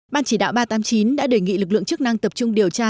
ban chỉ đạo ba trăm tám mươi chín đã đề nghị lực lượng chức năng tập trung điều tra